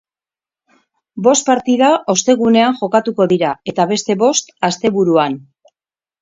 Bost partida ostegunean jokatuko dira eta beste bost asteburuan.